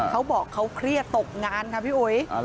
เขาบอกเขาเครียดตกงานค่ะพี่อุ๋ย